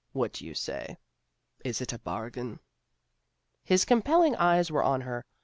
What do you say? Is it a bargain? " His compelling eyes were on her.